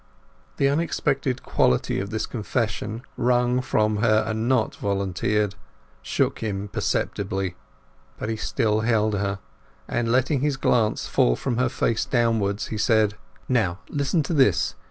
The unexpected quality of this confession, wrung from her, and not volunteered, shook him perceptibly. But he still held her, and, letting his glance fall from her face downwards, he said, "Now, listen to this.